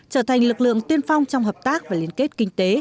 trở thành lực lượng tiên phong trong hợp tác và liên kết kinh tế